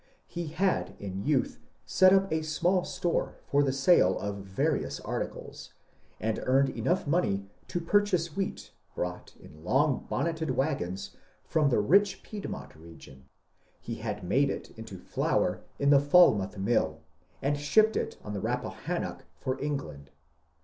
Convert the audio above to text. He had in youth set up a small store for the sale of various articles, and earned money enough to purchase wheat brought in long bon neted wagons from the rich Piedmont region ; he had it made into flour in the Falmouth mill, and shipped it on the Rap pahannock for England.